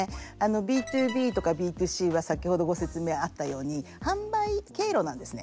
Ｂ２ＢとかＢ２Ｃは先ほどご説明あったように販売経路なんですね。